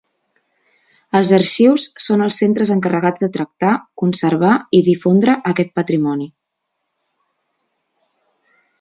Els arxius són els centres encarregats de tractar, conservar i difondre aquest patrimoni.